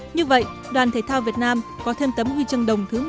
như vậy đoàn thể thao việt nam có thêm tấm huy chương đồng thứ một mươi